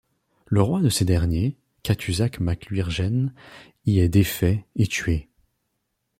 Le roi de ces derniers, Cathussach mac Luirgéne, y est défait et tué.